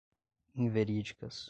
inverídicas